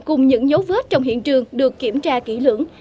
cùng những dấu vết trong hiện trường được kiểm tra kỹ lưỡng